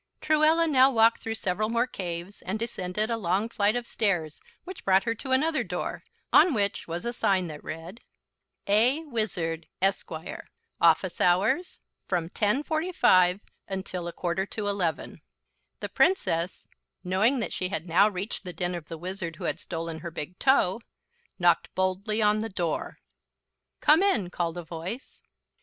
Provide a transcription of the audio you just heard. Truella now walked through several more caves and descended a long flight of stairs, which brought her to another door, on which was a sign that read: "A. WIZARD, Esq., Office hours: From 10:45 until a quarter to 11." The Princess, knowing that she had now reached the den of the Wizard who had stolen her big toe, knocked boldly on the door. "Come in!" called a voice.